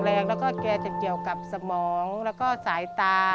แรงแล้วก็แกจะเกี่ยวกับสมองแล้วก็สายตา